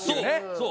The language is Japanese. そう！